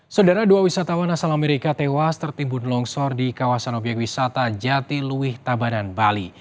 saudara dua wisatawan asal amerika tewas tertimbun longsor di kawasan obyek wisata jatiluwih tabanan bali